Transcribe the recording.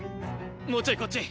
もうちょいこっち。